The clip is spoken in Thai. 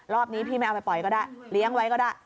รอบนี้พี่ไม่เอาไปปล่อยก็ได้เลี้ยงไว้ก็ได้